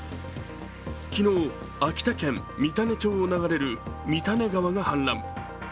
昨日、秋田県三種町を流れる三種川が氾濫。